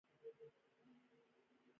ده يې په داسې بڼه هېڅکله فکر نه و کړی.